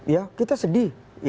ya kita sedih